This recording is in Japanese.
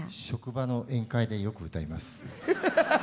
職場の宴会でよく歌います。